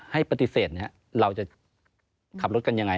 ให้ปฏิเสธเราจะขับรถกันยังไง